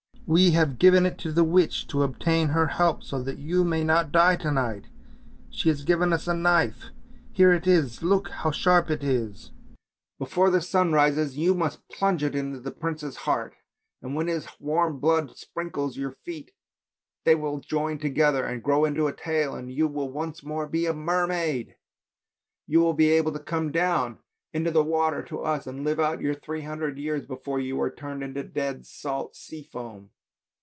" We have given it to the witch to obtain her help, so that you may not die to night! she has given us a knife, here it is, look how sharp it is! Before the sun rises, you must plunge it into the prince's heart, and when his warm blood sprinkles your feet they will join together and grow into a tail, and you will once more be a mermaid; you will be able to come down into 20 ANDERSEN'S FAIRY TALES the water to us, and to live out your three hundred years before you are turned into dead, salt, sea foam.